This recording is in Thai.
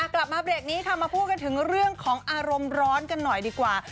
กลับมาเบรกนี้ค่ะมาพูดกันถึงเรื่องของอารมณ์ร้อนกันหน่อยดีกว่า